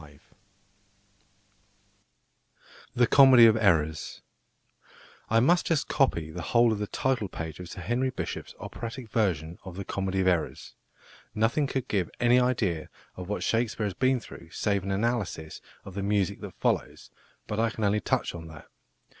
THE COMEDY OF ERRORS I must just copy the whole of the title page of +Sir Henry Bishop's+ operatic version of The Comedy of Errors. Nothing could give any idea of what Shakespeare has been through save an analysis of the music that follows, but I can only touch on that.